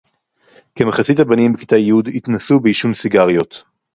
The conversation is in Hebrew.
כמחצית הבנים בכיתה י' התנסו בעישון סיגריות